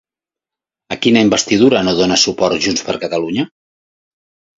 A quina investidura no dóna suport Junts per Catalunya?